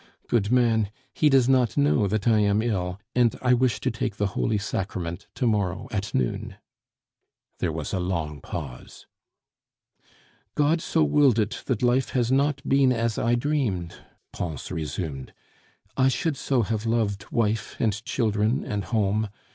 Good man, he does not know that I am ill, and I wish to take the holy sacrament to morrow at noon." There was a long pause. "God so willed it that life has not been as I dreamed," Pons resumed. "I should so have loved wife and children and home....